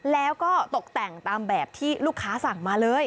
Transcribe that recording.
แล้วก็ตกแต่งตามแบบที่ลูกค้าสั่งมาเลย